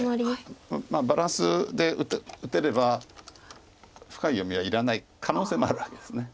バランスで打てれば深い読みはいらない可能性もあるわけです。